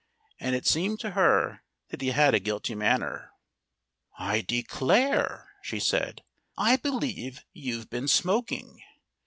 And it seemed to her that he had a guilty manner. "I declare," she said, "I believe you've been smoking."